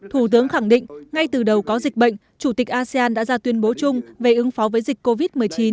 thủ tướng khẳng định ngay từ đầu có dịch bệnh chủ tịch asean đã ra tuyên bố chung về ứng phó với dịch covid một mươi chín